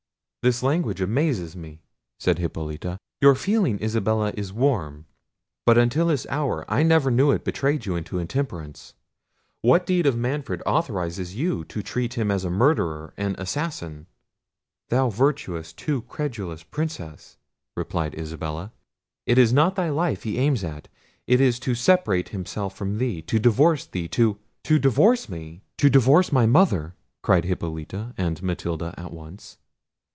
"This language amazes me," said Hippolita. "Your feeling, Isabella, is warm; but until this hour I never knew it betray you into intemperance. What deed of Manfred authorises you to treat him as a murderer, an assassin?" "Thou virtuous, and too credulous Princess!" replied Isabella; "it is not thy life he aims at—it is to separate himself from thee! to divorce thee! to—" "To divorce me!" "To divorce my mother!" cried Hippolita and Matilda at once.